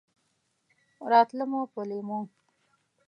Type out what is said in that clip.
راتله مو په لېمو!